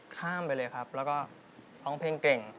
ข้ามไปเลยครับแล้วก็ร้องเพลงเก่ง